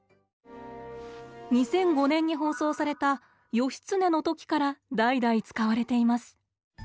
２００５年に放送された「義経」の時から代々使われています。